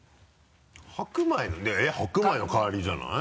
白米のいや白米の代わりじゃない？